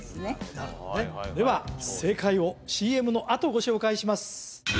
なるほどねでは正解をＣＭのあとご紹介します